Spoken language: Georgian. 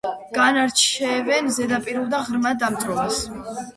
განარჩევენ ზედაპირულ და ღრმა დამწვრობას.